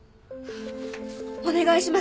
お願いします。